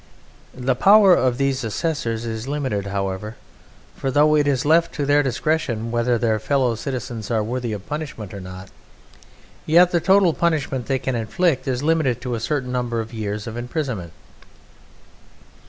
The power of these assessors is limited, however, for though it is left to their discretion whether their fellow citizens are worthy of punishment or not, yet the total punishment they can inflict is limited to a certain number of years of imprisonment.